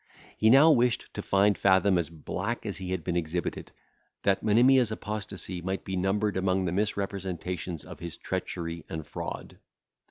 He now wished to find Fathom as black as he had been exhibited, that Monimia's apostasy might be numbered among the misrepresentations of his treachery and fraud.